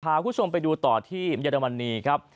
พาคุณผู้ชมไปดูต่อที่เยอรมนีครับ